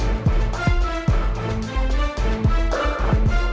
kalau kamu selalu nyuar trauma jakarta dan menyentuh jaringan yang brassl